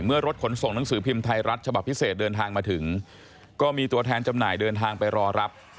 รถขนส่งหนังสือพิมพ์ไทยรัฐฉบับพิเศษเดินทางมาถึงก็มีตัวแทนจำหน่ายเดินทางไปรอรับ